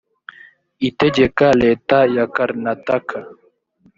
itegeka leta ya karnataka